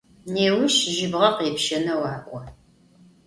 Nêuş jıbğe khêpşeneu a'o.